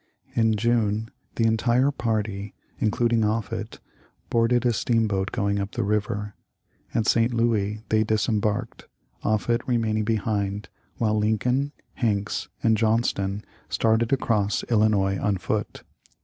In June the entire party, including Offut, boarded a steamboat going up the river. At St. Louis they disembarked, Offut remaining behind while Lin coln, Hanks, and Johnston started across Illinois on foot.